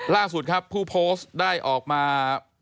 ล่าสุดครับผู้โพสต์ได้ออกมา